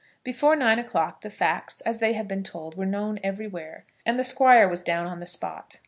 Before nine o'clock the facts, as they have been told, were known everywhere, and the Squire was down on the spot.